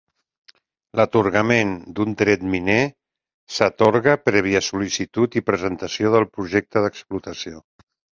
L'atorgament d'un dret miner s'atorga prèvia sol·licitud i presentació del projecte d'explotació.